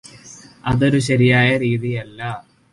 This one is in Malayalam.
അതൊരു ശരിയായ രീതിയല്ല.